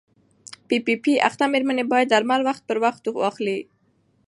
پي پي پي اخته مېرمنې باید درمل وخت پر وخت واخلي.